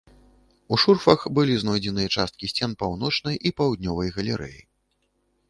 У шурфах былі знойдзеныя часткі сцен паўночнай і паўднёвай галерэі.